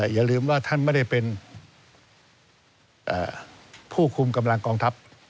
อย่าลืมว่าท่านไม่ได้เป็นผู้คุมกำลังกองทัพ